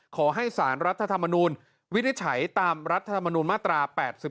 ขอให้สารรัฐธรรมนูลวินิจฉัยตามรัฐธรรมนูญมาตรา๘๔